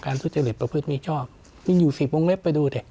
การทุจริตประพฤติมีชอบมีอยู่สิทธิ์วงเล็บไปดูเถอะ